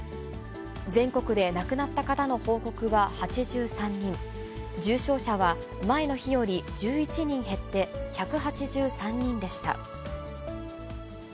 全国で亡くなった方の報告は８３人、重症者は前の日より１１人減って１８３人でした。